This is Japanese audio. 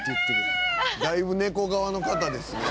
だいぶ猫側の方ですね。